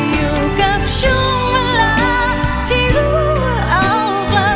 อยู่กับช่วงเวลาที่รู้ว่าเอาไกล